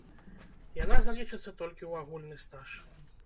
Яна залічыцца толькі ў агульны стаж.